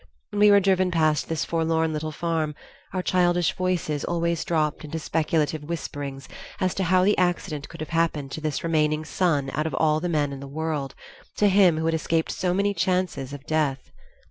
When we were driven past this forlorn little farm our childish voices always dropped into speculative whisperings as to how the accident could have happened to this remaining son out of all the men in the world, to him who had escaped so many chances of death!